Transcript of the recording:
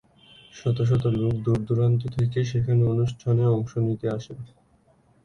শত শত লোক দূর-দূরান্ত থেকে সেখানে অনুষ্ঠানে অংশ নিতে আসেন।